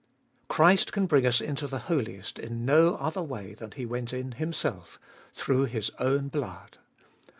4. Christ can bring us into the Holiest In no other way than He went in Himself, through His own blood.